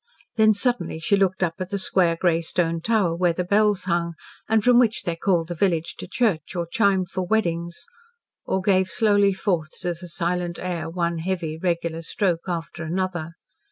Then suddenly she looked up at the square grey stone tower where the bells hung, and from which they called the village to church, or chimed for weddings or gave slowly forth to the silent air one heavy, regular stroke after another.